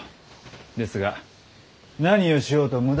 ですが何をしようと無駄ですよ。